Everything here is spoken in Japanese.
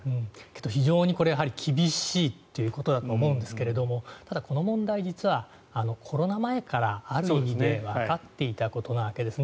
非常に厳しいということだと思うんですけれどもただこの問題、実はコロナ前からある意味でわかっていたことなわけです。